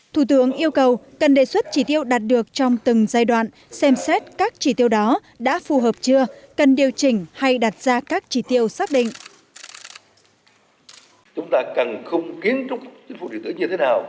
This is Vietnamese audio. thủ tướng yêu cầu cần đề xuất chỉ tiêu đạt được trong từng giai đoạn xem xét các chỉ tiêu đó đã phù hợp chưa cần điều chỉnh hay đặt ra các chỉ tiêu xác định